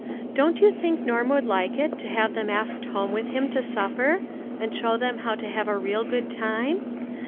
Don't you think Norm would like it to have them asked home with him to supper, and show them how to have a real good time?